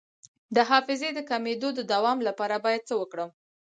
د حافظې د کمیدو د دوام لپاره باید څه وکړم؟